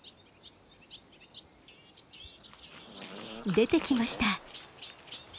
出てきました。